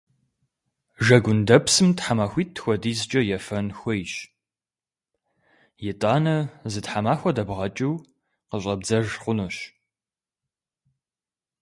Жэгундэпсым тхьэмахуитӀ хуэдизкӀэ ефэн хуейщ. ИтӀанэ зы тхьэмахуэ дэбгъэкӀыу къыщӀэбдзэж хъунущ.